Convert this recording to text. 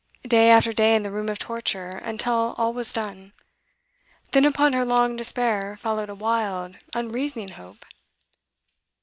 Day after day in the room of torture, until all was done. Then upon her long despair followed a wild, unreasoning hope.